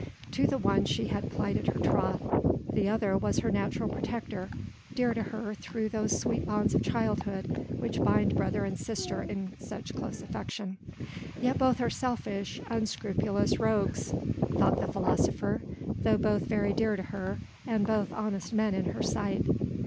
To the one she had plighted her troth, the other was her natural protector, dear to her through those sweet bonds of childhood which bind brother and sister in such close affection. Yet both are selfish, unscrupulous rogues, thought the philosopher, though both very dear to her, and both honest men in her sight.